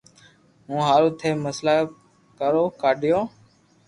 مون ھارو ٿي مسلئ ڪرو ڪاڌيو